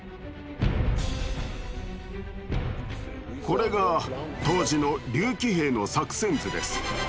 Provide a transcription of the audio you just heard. これが当時の竜騎兵の作戦図です。